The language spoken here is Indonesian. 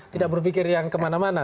tidak berpikir yang kemana mana